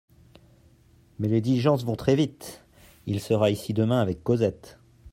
Mais les diligences vont très vite ! Il sera ici demain avec Cosette.